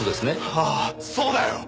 ああそうだよ！